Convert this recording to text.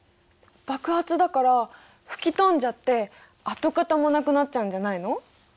爆発だから吹き飛んじゃって跡形もなくなっちゃうんじゃないの？